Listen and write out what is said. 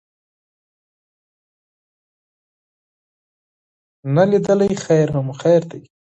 نا لیدلی خیر هم خیر دی.